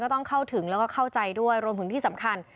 ต้องเข้าถึงแล้วก็เข้าใจด้วยรวมถึงที่สำคัญ